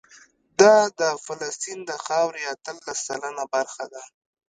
دا د فلسطین د خاورې اتلس سلنه برخه ده.